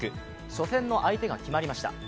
初戦の相手が決まりました。